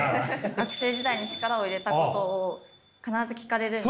学生時代に力を入れたことを必ず聞かれるんですよ。